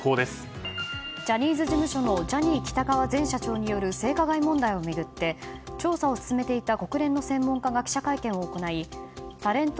ジャニーズ事務所のジャニー喜多川前社長による性加害問題を巡って調査を進めていた国連の専門家が記者会見を行いタレント